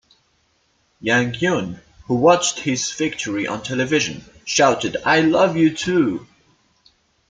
Yang Yun, who watched his victory on television, shouted I love you, too!